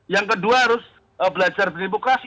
yang kedua harus belajar beribuk klas